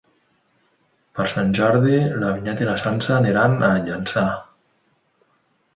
Per Sant Jordi na Vinyet i na Sança aniran a Llançà.